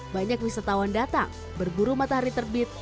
banyak wisatawan datang berburu matahari terbit